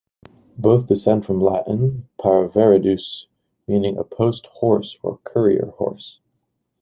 Both descend from Latin, "paraveredus", meaning a post horse or courier horse.